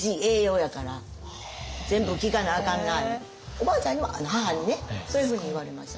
おばあちゃんには母にねそういうふうに言われましたね。